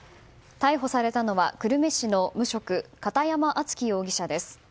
逮捕されたのは久留米市の無職片山敦稀容疑者です。